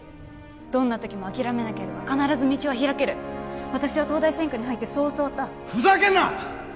どんな時も諦めなければ必ず道は開ける私は東大専科に入ってそう教わったふざけるな！